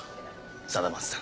貞松さん。